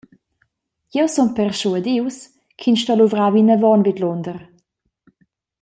Jeu sun perschuadius ch’ins sto luvrar vinavon vidlunder.